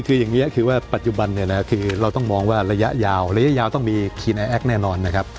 คืออย่างนี้ปัจจุบันเราต้องมองว่าระยะยาวระยะยาวต้องมีคีย์ในแอลแอคแน่นอนนะครับ